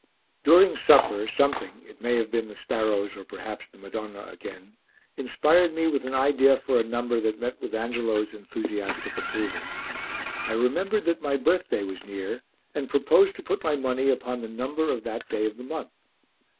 During supper, something it may have been the sparrows or, perhaps, the Madonna again inspired me with an idea for a number that met with Angelo's enthusiastic approval. I remembered that my birthday was near and proposed to put my money upon the number of that day of the month.